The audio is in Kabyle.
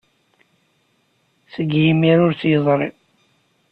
Seg yimir ur tt-yeẓri.